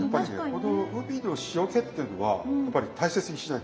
海の塩気っていうのはやっぱり大切にしないとね。